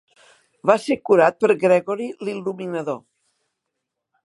Va ser curat per Gregori l'il·luminador.